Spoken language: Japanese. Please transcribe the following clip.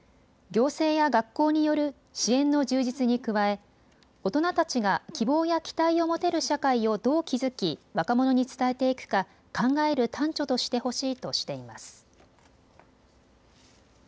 行政や学校による支援の充実に加え大人たちが希望や期待を持てる社会をどう築き、若者に伝えていくか考える端緒としてほしいとしています。